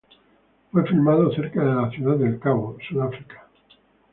Fue filmado cerca de Ciudad del Cabo, Sudáfrica.